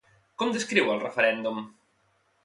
Com descriu el referèndum?